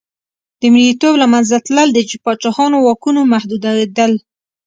د مریتوب له منځه تلل د پاچاهانو واکونو محدودېدل.